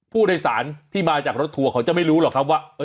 ผู้โดยสารที่มาจากรถทัวร์เขาจะไม่รู้หรอกครับว่า